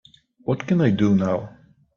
what can I do now?